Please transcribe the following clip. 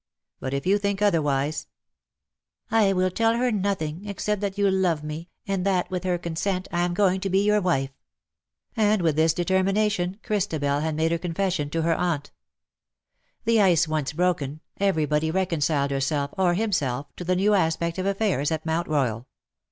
But if you think otherwise ■"" I will tell her nothing, except that you love me, and that, with her consent, I am going to be your wdfe ;^^ and with this determination Christabel had made her confession to her aunt. The ice once broken, everybody reconciled herself or himself to the new aspect of affairs at Mount Royal.